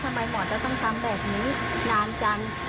ทำไมหมอจะต้องทำแบบนี้นานจัง